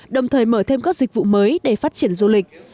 đồng thời mở thêm các dịch vụ mới để phát triển du lịch